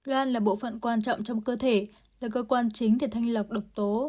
gan là bộ phận quan trọng trong cơ thể là cơ quan chính để thanh lọc độc tố